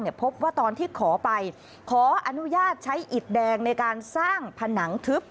พบว่าตอนที่ขอไปขออนุญาตใช้อิดแดงในการสร้างผนังทึบ